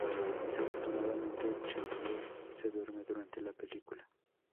Desafortunadamente, Chandler se duerme durante la película.